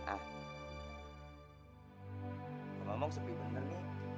emang emang sepi bener nih